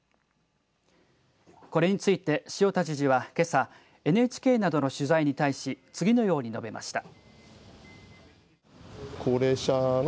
これについて、塩田知事はけさＮＨＫなどの取材に対し次のように述べました。